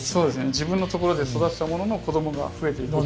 自分のところで育てたものの子供がふえていくっていう。